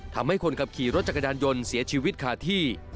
ทำให้คนขับขี่รถจักรยานยนต์เสียชีวิตขาดที่